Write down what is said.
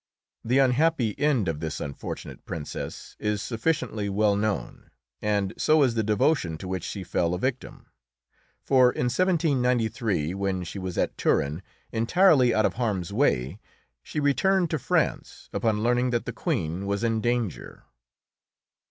The unhappy end of this unfortunate Princess is sufficiently well known, and so is the devotion to which she fell a victim. For in 1793, when she was at Turin, entirely out of harm's way, she returned to France upon learning that the Queen was in danger.